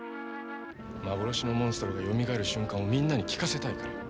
幻のモンストロがよみがえる瞬間をみんなに聴かせたいから。